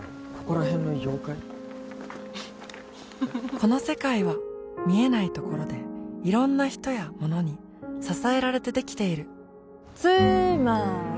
この世界は見えないところでいろんな人やものに支えられてできているつーまーり！